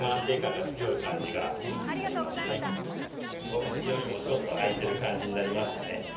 こぶしよりもちょっと空いてる感じになりますかね。